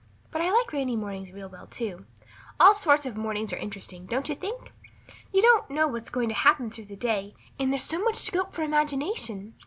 But I like rainy mornings real well, too. All sorts of mornings are interesting, don't you think? You don't know what's going to happen through the day, and there's so much scope for imagination.